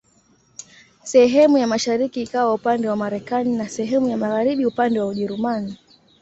Sehemu ya mashariki ikawa upande wa Marekani na sehemu ya magharibi upande wa Ujerumani.